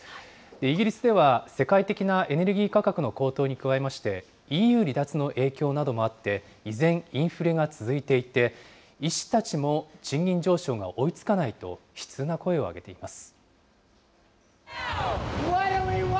イギリスでは世界的なエネルギー価格の高騰に加えまして、ＥＵ離脱の影響などもあって、依然、インフレが続いていて、医師たちも賃金上昇が追いつかないと、悲痛な声を上げています。